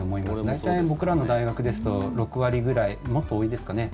大体僕らの大学ですと６割ぐらいもっと多いですかね。